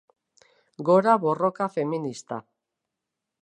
Gora borroka feminista